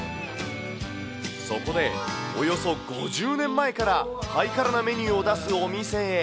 そこでおよそ５０年前からハイカラなメニューを出すお店へ。